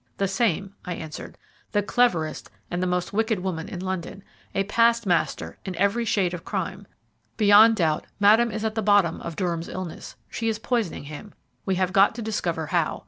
"The same," I answered; "the cleverest and the most wicked woman in London a past master in every shade of crime. Beyond doubt, Madame is at the bottom of Durham's illness. She is poisoning him we have got to discover how.